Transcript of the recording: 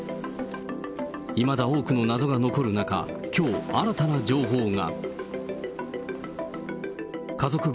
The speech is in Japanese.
いまだ多くの謎が残る中、きょう、新たな情報が。